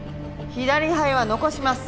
左肺は残します。